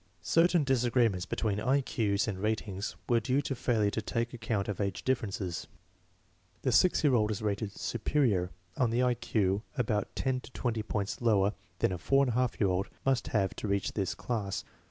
Certain disagreements between I Q's and ratings were due to failure to take account of age differences. The 6 year old is rated "superior" on an I Q about 10 to 20 points lower than a 4^ year old must have to reach this class.